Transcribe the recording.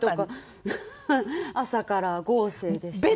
朝から豪勢でしたね。